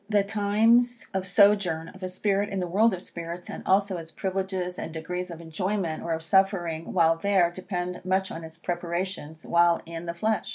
The times of sojourn of a spirit in the world of spirits, and also its privileges and degrees of enjoyment, or of suffering, while there, depend much on its preparations while in the flesh.